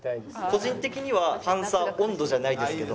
個人的には『パンサー音頭』じゃないですけど。